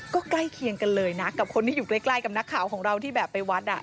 ก็ใกล้เคียงกันเลยนะกับคนที่อยู่ใกล้กับนักข่าวของเราที่แบบไปวัด